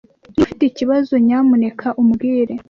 Niba ufite ikibazo, nyamuneka umbwire.